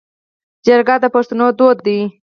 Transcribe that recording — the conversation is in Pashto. جرګه د پښتنو دود دی